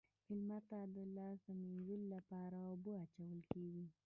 میلمه ته د لاس مینځلو لپاره اوبه اچول کیږي.